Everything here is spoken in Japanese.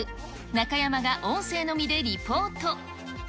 中山が音声のみでリポート。